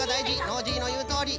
ノージーのいうとおり。